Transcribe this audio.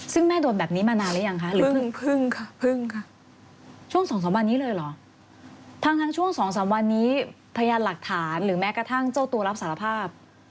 ซึ่งแม่โดนแบบนี้มานานแล้วยังคะหรือพึ่งพึ่งค่ะพึ่งค่ะ